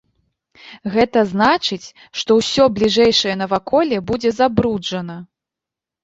Гэта значыць, што ўсё бліжэйшае наваколле будзе забруджана.